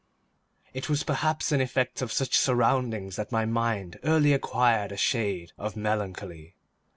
It was perhaps an effect of such surroundings that my mind early acquired a shade of melancholy.